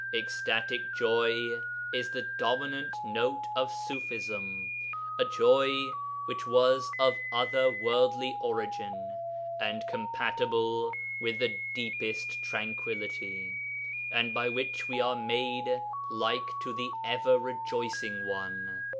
Ecstatic joy is the dominant note of Ṣufism, a joy which was of other worldly origin, and compatible with the deepest tranquillity, and by which we are made like to the Ever rejoicing One.